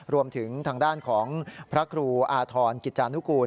รวมถึงทางด้านของพระครูอาธรณ์กิจจานุกูล